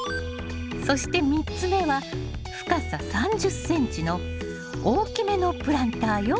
そして３つ目は深さ３０ｃｍの大きめのプランターよ。